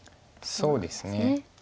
そうですね。